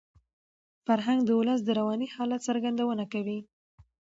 فرهنګ د ولس د رواني حالت څرګندونه کوي.